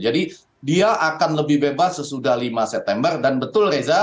jadi dia akan lebih bebas sesudah lima september dan betul reza